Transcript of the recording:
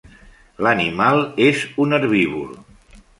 L'animal és un herbívor.